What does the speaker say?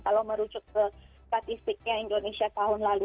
kalau merujuk ke statistiknya indonesia tahun lalu